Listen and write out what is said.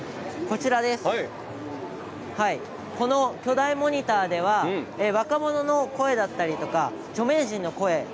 巨大モニターでは若者の声だったりとか著名人の声